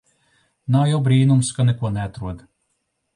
Nav jau brīnums ka neko neatrod.